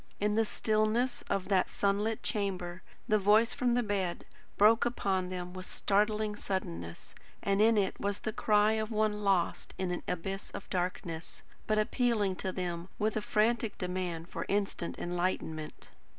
In the stillness of that sunlit chamber, the voice from the bed broke upon them with startling suddenness; and in it was the cry of one lost in an abyss of darkness, but appealing to them with a frantic demand for instant enlightenment.